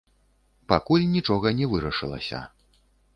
Пакуль нічога не вырашылася.